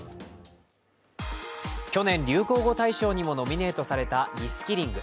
去年、流行語大賞にもノミネートされたリスキリング。